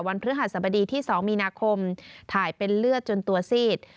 พฤหัสบดีที่๒มีนาคมถ่ายเป็นเลือดจนตัวซีด